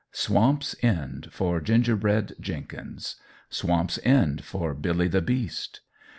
Swamp's End for Gingerbread Jenkins! Swamp's End for Billy the Beast!